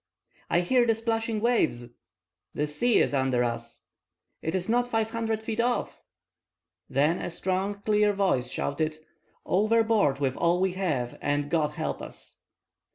"I hear the splashing waves!" "The sea is under us!" "It is not five hundred feet off!" Then a strong, clear voice shouted:— "Overboard with all we have, and God help us!"